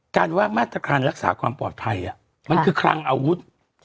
ว่ามาตรการรักษาความปลอดภัยมันคือคลังอาวุธ